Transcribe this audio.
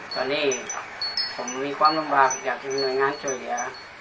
ตอนนี้ผมมีความลำบากอยากจะมีหน่วยงานช่วยเหลือ